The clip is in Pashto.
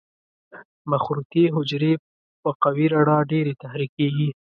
مخروطي حجرې په قوي رڼا ډېرې تحریکېږي.